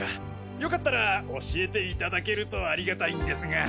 よかったら教えていただけるとありがたいんですが。